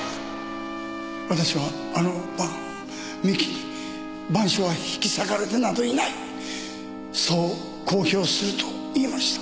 私はあの晩三木に『晩鐘』は引き裂かれてなどいない！そう公表すると言いました。